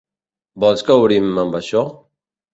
Vols que obrim amb això?